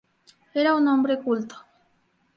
Era un hombre culto.